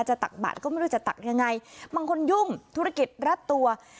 ตักบาทก็ไม่รู้จะตักยังไงบางคนยุ่งธุรกิจรัดตัว